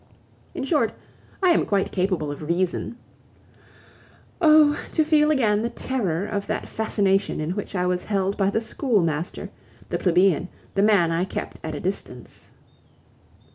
In short, I am quite capable of reason. Oh! to feel again the terror of that fascination in which I was held by the schoolmaster, the plebeian, the man I kept at a distance!